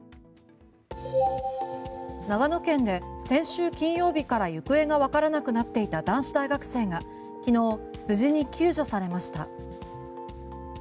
長野県で先週金曜日から行方がわからなくなっていた男子大学生が昨日、無事に救助されました。